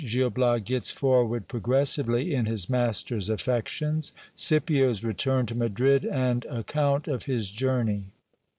— Gil Bias gets forward progressively in his master's affections. Scipids return to Madrid, and account of his journey.